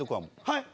はい！